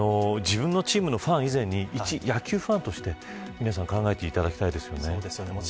自分のチームのファン以前にいち野球ファンとして、皆さん考えていただきたいです。